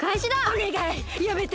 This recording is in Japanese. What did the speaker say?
おねがいやめて！